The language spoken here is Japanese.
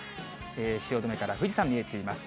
汐留から富士山、見えています。